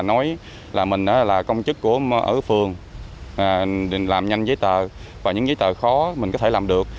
nói là mình là công chức của ở phường làm nhanh giấy tờ và những giấy tờ khó mình có thể làm được